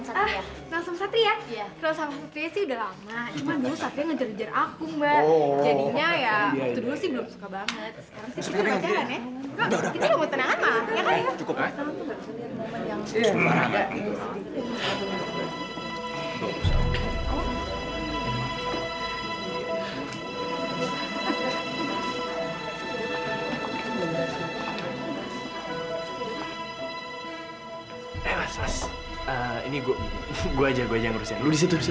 sampai jumpa di video selanjutnya